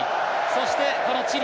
そして、チリ。